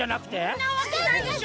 そんなわけないでしょ。